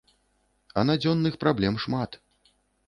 А надзённых праблем шмат.